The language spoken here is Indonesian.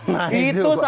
nah itu pak